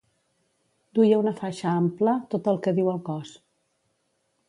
Duia una faixa ampla tot el que diu el cos.